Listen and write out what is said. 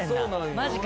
マジか。